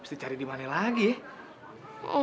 mesti cari di mana lagi ya